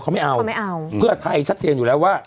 เขาไม่เอาเพื่อไทยชัดเจนอยู่แล้วว่า